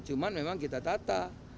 cuman memang kita tata